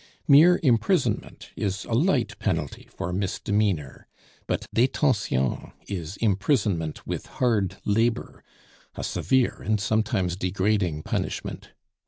Mere imprisonment is a light penalty for misdemeanor, but detention is imprisonment with hard labor, a severe and sometimes degrading punishment.